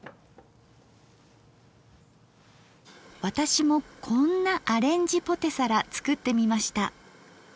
私もこんなアレンジポテサラ作ってみました。